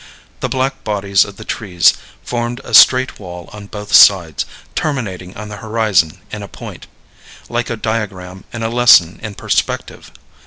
The black bodies of the trees formed a straight wall on both sides, terminating on the horizon in a point, like a diagram in a lesson in perspective.